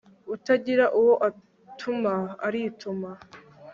utagira uwo atuma arituma